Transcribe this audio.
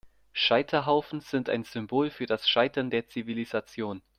Scheiterhaufen sind ein Symbol für das Scheitern der Zivilisation.